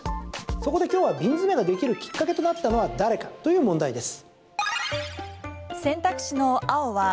そこで今日は瓶詰ができるきっかけとなったのは誰かという問題です。